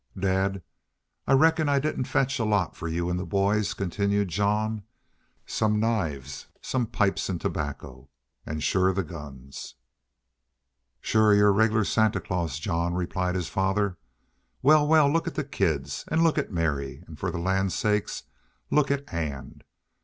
"Dad, I reckon I didn't fetch a lot for you an' the boys," continued Jean. "Some knives, some pipes an' tobacco. An' sure the guns." "Shore, you're a regular Santa Claus, Jean," replied his father. "Wal, wal, look at the kids. An' look at Mary. An' for the land's sake look at Ann!